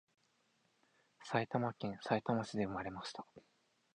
埼玉県さいたま市で産まれました